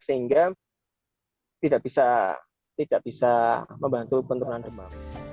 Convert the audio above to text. sehingga tidak bisa membantu penurunan demam